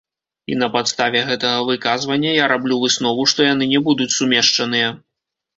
І на падставе гэтага выказвання я раблю выснову, што яны не будуць сумешчаныя.